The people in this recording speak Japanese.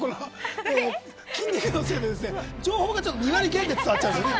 筋肉のせいで情報が２割減で伝わっちゃう。